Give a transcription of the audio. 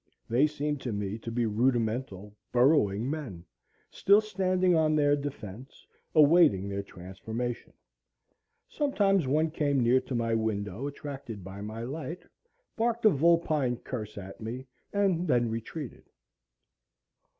They seemed to me to be rudimental, burrowing men, still standing on their defence, awaiting their transformation. Sometimes one came near to my window, attracted by my light, barked a vulpine curse at me, and then retreated.